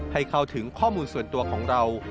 ให้เข้าถึงข้อมูลส่วนตัวของเรา